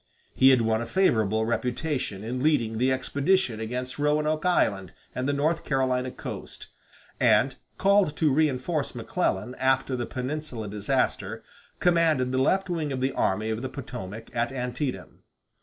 He had won a favorable reputation in leading the expedition against Roanoke Island and the North Carolina coast; and, called to reinforce McClellan after the Peninsula disaster, commanded the left wing of the Army of the Potomac at Antietam.